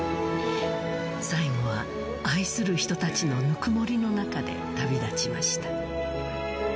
最期は愛する人たちのぬくもりの中で旅立ちました。